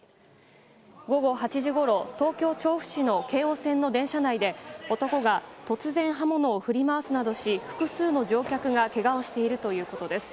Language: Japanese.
午後８時ごろ、東京・調布市の京王線の電車内で、男が突然、刃物を振り回すなどし、複数の乗客がけがをしているということです。